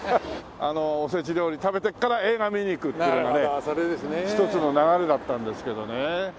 あのおせち料理食べてから映画見に行くっていうのがね一つの流れだったんですけどね。